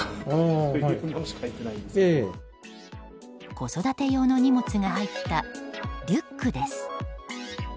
子育て用の荷物が入ったリュックです。